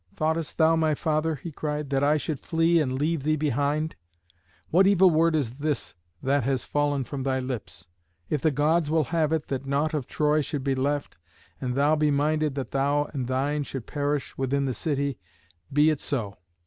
"Thoughtest thou, my father," he cried, "that I should flee and leave thee behind? What evil word is this that has fallen from thy lips? If the Gods will have it that nought of Troy should be left, and thou be minded that thou and thine should perish with the city, be it so.